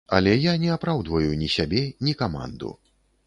Але я не апраўдваю ні сябе, ні каманду.